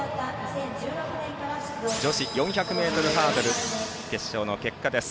女子４００ｍハードル決勝の結果です。